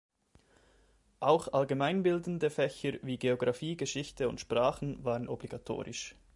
Auch allgemeinbildende Fächer wie Geografie, Geschichte und Sprachen waren obligatorisch.